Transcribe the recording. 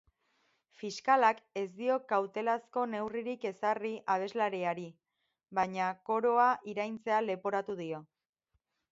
Fiskalak ez dio kautelazko neurririk ezarri abeslariari, baina koroa iraintzea leporatu dio.